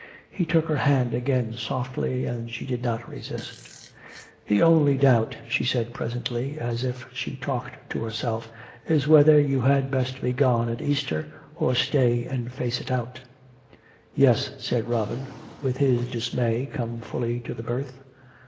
He took her hand again softly, and she did not resist. " The only doubt," she said presently, as if she talked to herself, " is whether you had best be gone at Easter, or stay and face it out." 12 COME RACK! COME ROPE! " Yes," said Robin, with his dismay come fully to the birth.